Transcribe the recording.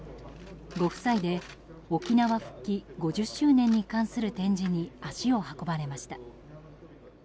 ご夫妻で沖縄復帰５０周年に関する展示に足を運ばれました。